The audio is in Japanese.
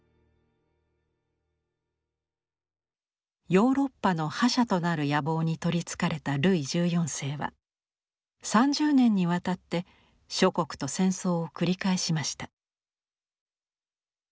ヨーロッパの覇者となる野望に取りつかれたルイ１４世は３０年にわたって諸国と戦争を繰り返しました。